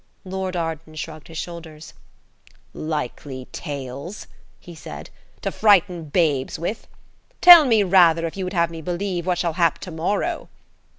Lord Arden shrugged his shoulders. "Likely tales," he said, "to frighten babes with. Tell me rather, if you would have me believe, what shall hap to morrow."